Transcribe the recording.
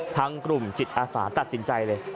ทางกลุ่มจิตอาสาตัดสินใจเลย